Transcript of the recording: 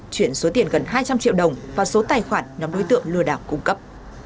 chuyển số tiền gần hai trăm linh triệu đồng vào số tài khoản nhóm đối tượng lừa đảo cung cấp